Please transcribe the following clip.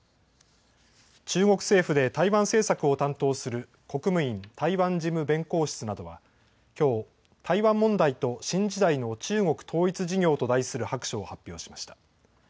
中国政府で台湾政策を担当する国務院台湾事務弁公室などはきょう台湾問題と新時代の中国統一事業と題する白書を発表しました。